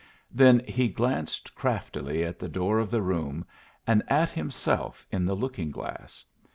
Then he glanced craftily at the door of the room, and at himself in the looking glass.